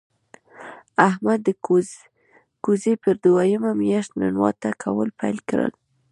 احمد د کوزې پر دویمه مياشت ننواته کول پیل کړل.